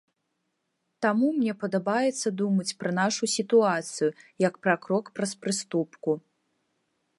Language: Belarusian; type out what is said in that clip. Таму мне падабаецца думаць пра нашу сітуацыю, як пра крок праз прыступку.